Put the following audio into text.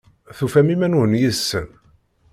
Tufam iman-nwen yid-sen?